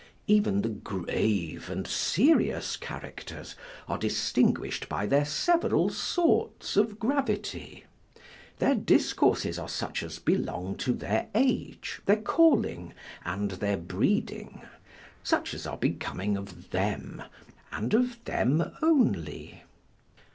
Even the grave and serious characters are distinguished by their several sorts of gravity: their discourses are such as belong to their age, their calling, and their breeding; such as are becoming of them, and of them only.